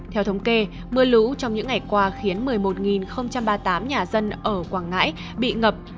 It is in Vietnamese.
theo thống kê mưa lũ trong những ngày qua khiến một mươi một ba mươi tám nhà dân ở quảng ngãi bị ngập